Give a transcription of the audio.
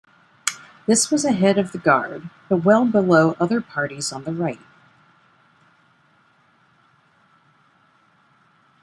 This was ahead of the Guard, but well below other parties on the right.